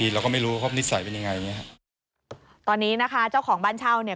เราก็ไม่รู้ครับนิสัยเป็นยังไงอย่างเงี้ฮะตอนนี้นะคะเจ้าของบ้านเช่าเนี่ย